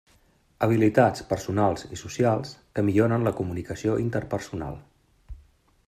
Habilitats personals i socials que milloren la comunicació interpersonal.